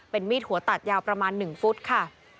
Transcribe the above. มีดหัวตัดยาวประมาณ๑ฟุตค่ะ